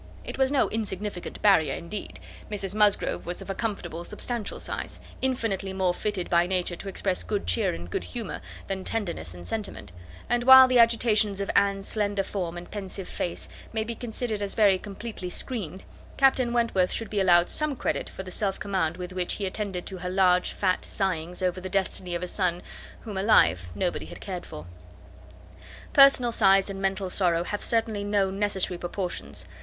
It was no insignificant barrier, indeed. Mrs Musgrove was of a comfortable, substantial size, infinitely more fitted by nature to express good cheer and good humour, than tenderness and sentiment; and while the agitations of Anne's slender form, and pensive face, may be considered as very completely screened, Captain Wentworth should be allowed some credit for the self command with which he attended to her large fat sighings over the destiny of a son, whom alive nobody had cared for. Personal size and mental sorrow have certainly no necessary proportions.